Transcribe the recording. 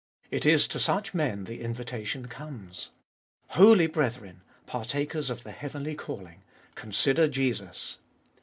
It is to such men the invitation comes. Holy brethren! partakers of the heavenly calling! consider Jesus!